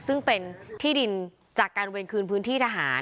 ซึ่งเป็นที่ดินจากการเวรคืนพื้นที่ทหาร